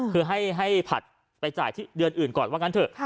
คือให้ผัดไปจ่ายที่เดือนอื่นก่อนว่างั้นเถอะ